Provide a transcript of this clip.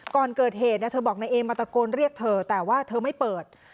ก่อนเกิดเหตุเธอบอกนายเอมาตะโกนเรียกเธอแต่ว่าเธอไม่เปิด